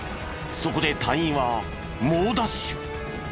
そこで隊員は猛ダッシュ。